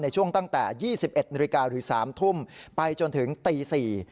ในช่วงตั้งแต่๒๑ริกาหรือ๓ทุ่มไปจนถึงตี๔